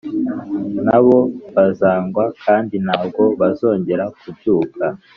Na bo bazagwa kandi ntabwo bazongera kubyuka.”